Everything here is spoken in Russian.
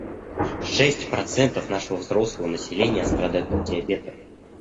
Шесть процентов нашего взрослого населения страдают от диабета.